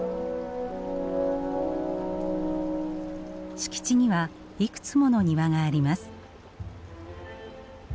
敷地にはいくつもの庭があります。